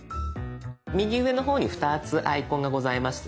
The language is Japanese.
右上の方に２つアイコンがございますよね。